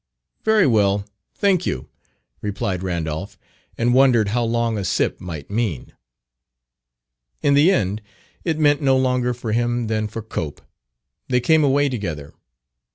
"Very well; thank you," replied Randolph, and wondered how long "a sip" might mean. In the end it meant no longer for him than for Cope; they came away together.